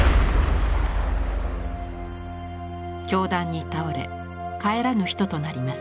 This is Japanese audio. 凶弾に倒れ帰らぬ人となります。